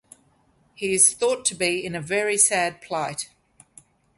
He is thought to be in a very sad plight.